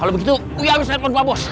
kalau begitu uya habis telepon pak bos